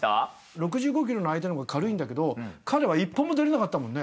６５ｋｇの相手の方が軽いんだけど彼は一歩も出れなかったもんね。